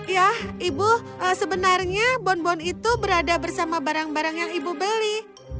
ya ibu sebenarnya bonbon itu berada bersama barang barang yang ibu beli